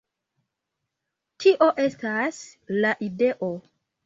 Tio estas la ideo.